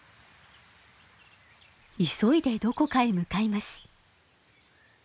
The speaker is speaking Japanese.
急いでどこかへ向かいます。